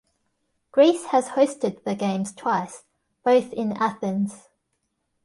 Greece has hosted the Games twice, both in Athens.